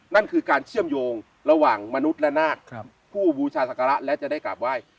นั่นคือการเชื่อมโยงระหว่างมนุษย์และนาคผู้บูชาศักระและจะได้กราบไหว้